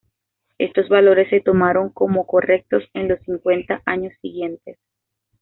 Estos valores se tomaron como correctos en los cincuenta años siguientes.